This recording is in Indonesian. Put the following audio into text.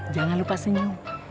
jangan lupa senyum